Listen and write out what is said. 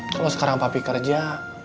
kalau sekarang papi kerja